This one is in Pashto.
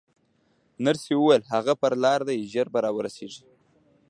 نرسې وویل: هغه پر لار دی، ژر به راورسېږي.